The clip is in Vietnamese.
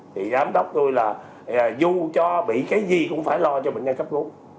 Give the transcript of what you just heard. thì giám đốc tôi là dù cho bị cái gì cũng phải lo cho bệnh nhân cấp cứu